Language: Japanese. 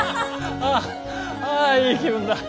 ああああいい気分だ。